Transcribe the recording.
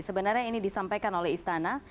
sebenarnya ini disampaikan oleh istana